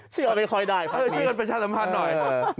ช่วยกันประชาสัมภาษณ์หน่อย